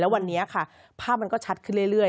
วันนี้ค่ะภาพมันก็ชัดขึ้นเรื่อย